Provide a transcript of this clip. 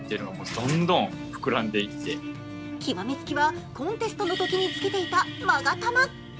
極めつきはコンテストのときにつけていたまが玉。